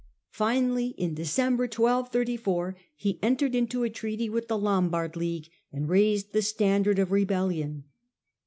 Finally, in December, 1234, he entered into a treaty with the Lombard League and raised the standard of rebellion.